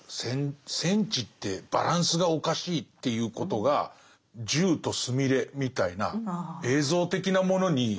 戦地ってバランスがおかしいっていうことが銃とスミレみたいな映像的なものに。